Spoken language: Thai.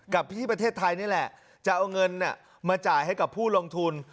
ที่ประเทศไทยนี่แหละจะเอาเงินมาจ่ายให้กับผู้ลงทุน